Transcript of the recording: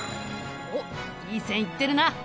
おっいい線いってるな！